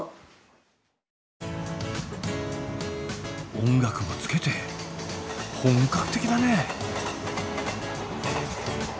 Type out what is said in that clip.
音楽もつけて本格的だねえ。